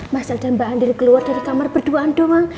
mas al dan mbak andri keluar dari kamar berduaan doang